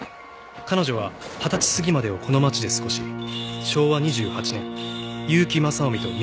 彼女は二十歳過ぎまでをこの町で過ごし昭和２８年結城正臣と見合い結婚。